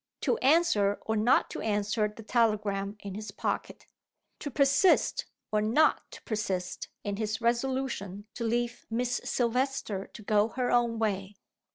To answer or not to answer the telegram in his pocket? To persist or not to persist in his resolution to leave Miss Silvester to go her own way?